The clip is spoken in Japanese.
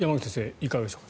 いかがでしょうか。